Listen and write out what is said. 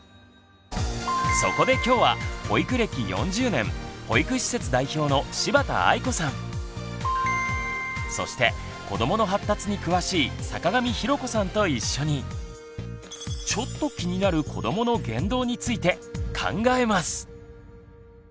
そこで今日は保育歴４０年保育施設代表の柴田愛子さんそして子どもの発達に詳しい坂上裕子さんと一緒に「ちょっと気になる子どもの言動」について考えます。